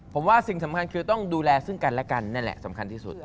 ผมว่าสิ่งสำคัญคือต้องดูแลซึ่งกันและกันนั่นแหละสำคัญที่สุด